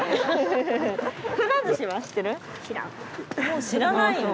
もう知らないの。